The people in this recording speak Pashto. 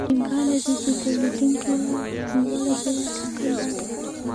امکان لري چې تولیدونکي لوړه بیه ټاکلې وي